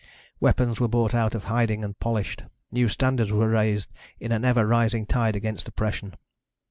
Weapons were brought out of hiding and polished. New standards were raised in an ever rising tide against oppression.